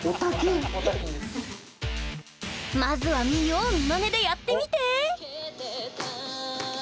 まずは見よう見まねでやってみて！